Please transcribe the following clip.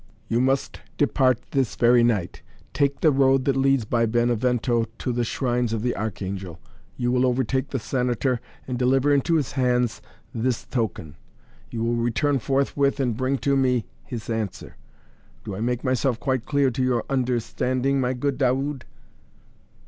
"You must depart this very night. Take the road that leads by Benevento to the Shrines of the Archangel. You will overtake the Senator and deliver into his hands this token. You will return forthwith and bring to me his answer. Do I make myself quite clear to your understanding, my good Daoud?"